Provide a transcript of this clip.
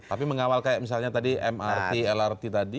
tapi mengawal kayak misalnya tadi mrt lrt tadi